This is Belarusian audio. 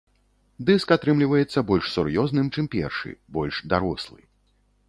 Дыск атрымліваецца больш сур'ёзным, чым першы, больш дарослы.